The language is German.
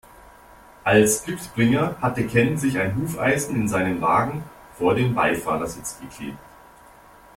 Als Glücksbringer hatte Ken sich ein Hufeisen in seinem Wagen vor den Beifahrersitz geklebt.